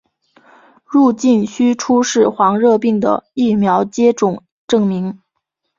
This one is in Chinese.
入境须出示黄热病的疫苗接种证明。